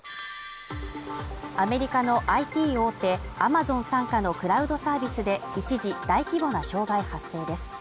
アメリカのＩＴ大手アマゾン傘下のクラウドサービスで、一時大規模な障害発生です。